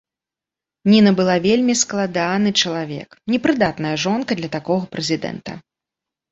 Ніна была вельмі складаны чалавек, непрыдатная жонка для такога прэзідэнта.